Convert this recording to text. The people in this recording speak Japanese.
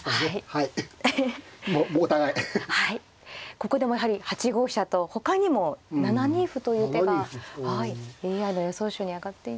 ここでもやはり８五飛車とほかにも７二歩という手がＡＩの予想手に挙がっています。